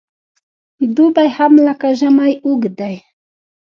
دوبی هم لکه ژمی اوږد دی .